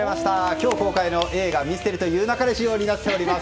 今日公開の映画「ミステリと言う勿れ」仕様となっております。